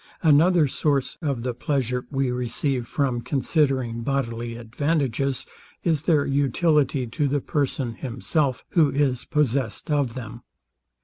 Another source of the pleasure we receive from considering bodily advantages, is their utility to the person himself, who is possessed of them.